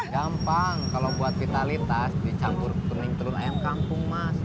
gampang kalau buat vitalitas dicampur kuning telur ayam kampung mas